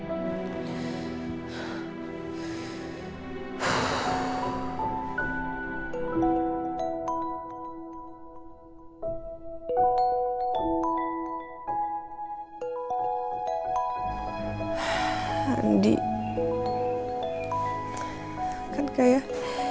andi kan kayak